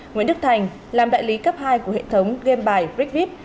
nguyễn đức thành làm đại lý cấp hai của hệ thống game bài bricvip